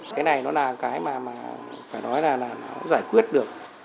cái này nó là cái mà phải nói là nó giải quyết được